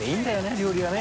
料理はね。